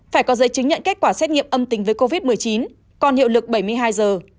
phải có giấy chứng nhận kết quả xét nghiệm âm tính với covid một mươi chín còn hiệu lực bảy mươi hai giờ